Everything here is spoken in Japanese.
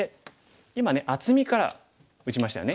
今ね厚みから打ちましたよね。